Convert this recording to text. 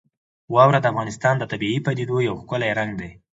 واوره د افغانستان د طبیعي پدیدو یو ښکلی رنګ دی.